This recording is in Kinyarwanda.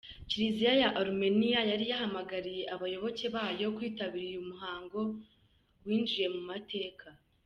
Kiliziya ya Arumeniya yari yahamagariye abayoboke ba yo kwitabira uyu muhango winjiye mu mateka.